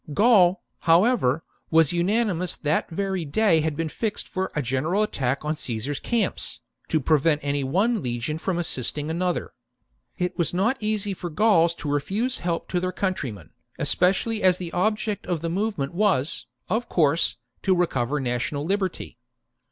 Gaul, however, was unanimous : that very day had been fixed for a general attack on Caesar's camps, to prevent any one legion from assisting another. It was not easy for Gauls to refuse help to their country men, especially as the object of the movement was, of course, to recover national liberty.